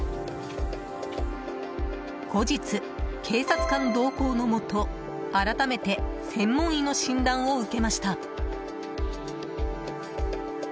後日、警察官同行のもと改めて専門医の診断を受けました。